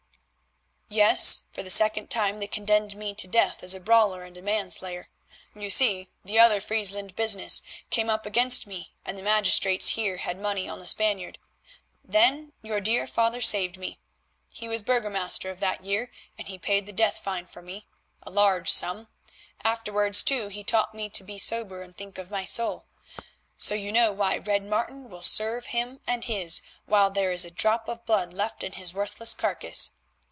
"Yes, for the second time they condemned me to death as a brawler and a manslayer. You see, the other Friesland business came up against me, and the magistrates here had money on the Spaniard. Then your dear father saved me. He was burgomaster of that year, and he paid the death fine for me—a large sum—afterwards, too, he taught me to be sober and think of my soul. So you know why Red Martin will serve him and his while there is a drop of blood left in his worthless carcase.